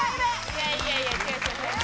いやいやいや。